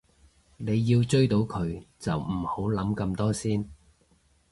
你要追到佢就唔好諗咁多先